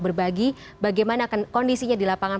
berbagi bagaimana kondisinya di lapangan